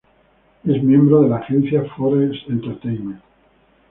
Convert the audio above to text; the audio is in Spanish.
Es miembro de la agencia "Forest Entertainment".